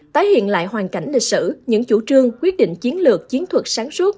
tái hiện lại hoàn cảnh lịch sử những chủ trương quyết định chiến lược chiến thuật sáng suốt